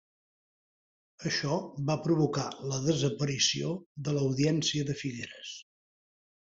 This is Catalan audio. Això va provocar la desaparició de l'Audiència de Figueres.